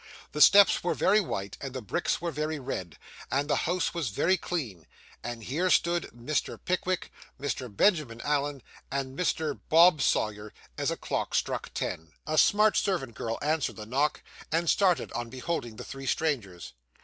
The steps were very white, and the bricks were very red, and the house was very clean; and here stood Mr. Pickwick, Mr. Benjamin Allen, and Mr. Bob Sawyer, as the clock struck ten. A smart servant girl answered the knock, and started on beholding the three strangers.